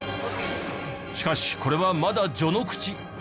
しかしこれはまだ序の口。